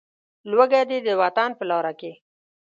لوږه دې د وطن په لاره کې.